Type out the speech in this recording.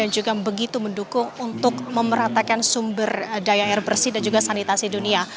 yang juga begitu mendukung untuk memeratakan sumber daya air bersih dan juga sanitasi dunia